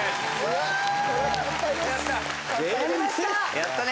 やったね！